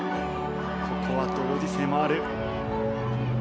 ここは同時性もある。